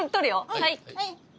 はい。